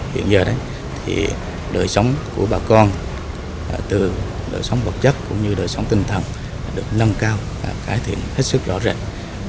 hiện giờ đấy thì đời sống của bà con từ đời sống vật chất cũng như đời sống tinh thần được nâng cao cải thiện hết sức rõ rệt